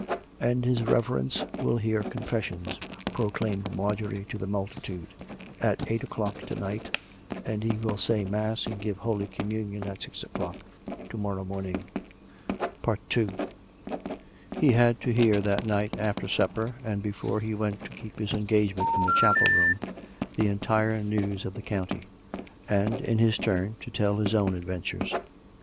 " And his Reverence will hear confessions," proclaimed Marjorie to the multitude, "at eight o'clock to night; and he will say mass and give holy communion at six o'clock to morrow morning." II He had to hear that night, after supper, and before he went to keep his engagement in the chapel room, the entire news of the county; and, in his turn, to tell his own ad ventures.